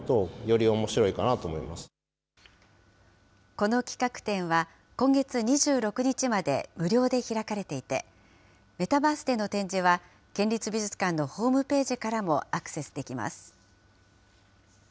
この企画展は、今月２６日まで、無料で開かれていて、メタバースでの展示は、県立美術館のホームページからもアクセスできます。